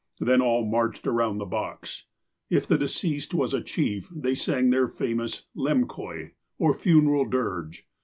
Then all marched around the box. If the deceased was a chief, they sang their famous ^'lemkoy," or funeral dirge.